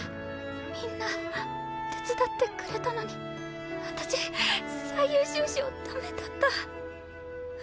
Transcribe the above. みんな手伝ってくれたのに私最優秀賞ダメだった。